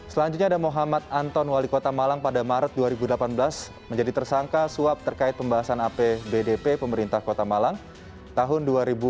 selanjutnya ada muhammad anton wali kota malang pada maret dua ribu delapan belas menjadi tersangka suap terkait pembahasan apbdp pemerintah kota malang tahun dua ribu delapan belas